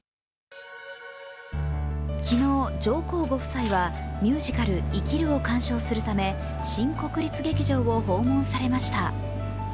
昨日、上皇ご夫妻はミュージカル「生きる」を鑑賞するため新国立劇場を訪問されました。